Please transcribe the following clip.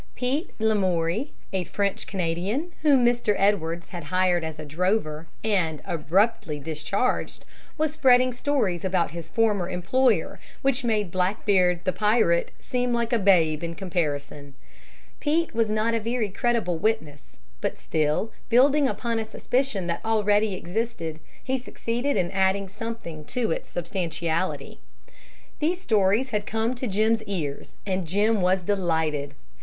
Pete Lamoury, a French Canadian, whom Mr. Edwards had hired as a drover, and abruptly discharged, was spreading stories about his former employer which made Blackbeard, the pirate, seem like a babe by comparison. Pete was not a very credible witness; but still, building upon a suspicion that already existed, he succeeded in adding something to its substantiality. These stories had come to Jim's ears, and Jim was delighted.